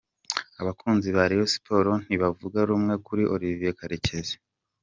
Abakunzi ba Rayon Sports ntibavuga rumwe kuri Olivier Karekezi.